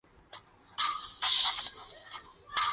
我不知道为什么在他作品中不说真话呢？